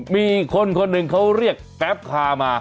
มีคนคนหนึ่งเขาเรียกแกรปคามา